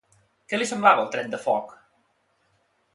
Què li semblava el tren de foc?